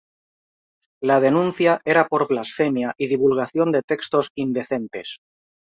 La denuncia era por blasfemia y divulgación de textos indecentes.